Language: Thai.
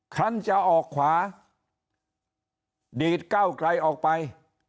คันจะออกขวาดีดเก้าไกลออกไป